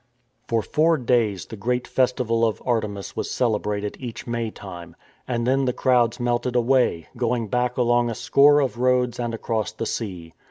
For four days the great festival of Artemis was celebrated each May time; and then the crowds melted away, going back along a score of roads and across the sea.